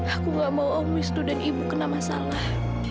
aku gak mau om wisnu dan ibu kena masalah